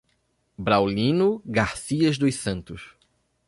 Braulino Garcias dos Santos